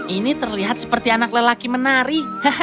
ini terlihat seperti anak lelaki menari